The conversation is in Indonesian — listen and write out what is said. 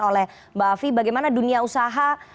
oleh mbak afi bagaimana dunia usaha